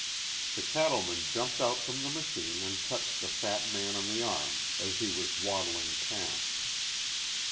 The cattleman jumped out from the machine and touched the fat man on the arm as he was waddling past.